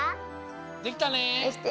できたね？